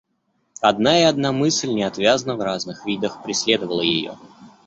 Одна и одна мысль неотвязно в разных видах преследовала ее.